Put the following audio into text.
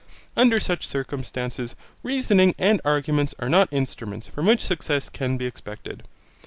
Under such circumstances, reasoning and arguments are not instruments from which success can be expected.